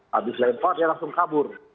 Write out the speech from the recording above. habis lempar dia langsung kabur